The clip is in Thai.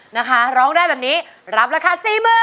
นะคะร้องได้แบบนี้รับราคา๔๐๐๐